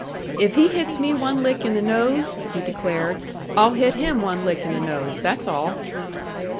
"If he hits me one lick in the nose," he declared, "I'll hit him one lick in the nose, that's all."